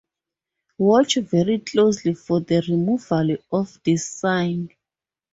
Watch very closely for the removal of this sign.